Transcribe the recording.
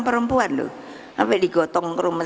perempuan tuh sampai digotong ke rumah